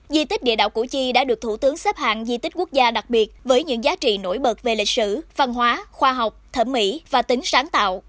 di tích địa đạo củ chi đã được thủ tướng xếp hạng di tích quốc gia đặc biệt với những giá trị nổi bật về lịch sử văn hóa khoa học thẩm mỹ và tính sáng tạo